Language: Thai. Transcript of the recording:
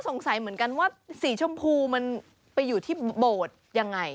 สงสัยเหมือนกันว่าสีชมพูมันไปอยู่ที่โบสถ์ยังไง